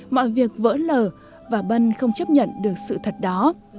mọi việc vỡ lở và bân không chấp nhận được sự thật đó